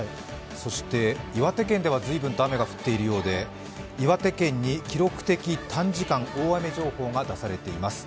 そして岩手県ではずいぶんと雨が降っているようで岩手県に記録的短時間大雨情報が出されています。